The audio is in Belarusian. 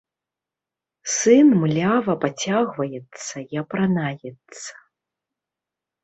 Сын млява пацягваецца і апранаецца.